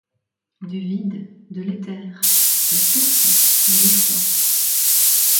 Du vide, de l’éther, du souffle, de l’effroi.